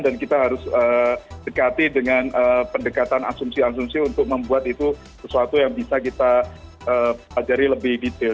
dan kita harus dekati dengan pendekatan asumsi asumsi untuk membuat itu sesuatu yang bisa kita pelajari lebih detail